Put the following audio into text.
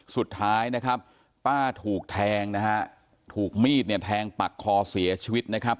สุดท้ายนะครับป้าถูกแทงนะฮะถูกมีดเนี่ยแทงปักคอเสียชีวิตนะครับ